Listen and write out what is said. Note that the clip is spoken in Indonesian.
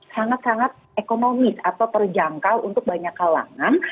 sangat sangat ekonomis atau terjangkau untuk banyak kalangan